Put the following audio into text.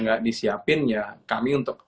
nggak disiapin ya kami untuk